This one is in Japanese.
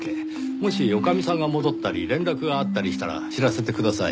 もし女将さんが戻ったり連絡があったりしたら知らせてください。